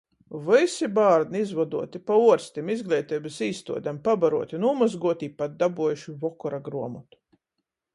Vysi bārni izvoduoti pa uorstim, izgleiteibys īstuodem, pabaruoti, nūmozguoti i pat dabuojuši vokora gruomotu.